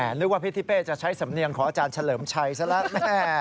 นึกว่าพี่ทิเป้จะใช้สำเนียงของอาจารย์เฉลิมชัยซะแล้วแม่